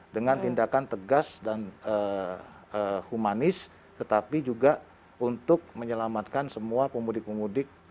dengan tindakan tegas dan humanis tetapi juga untuk menyelamatkan semua pemudik pemudik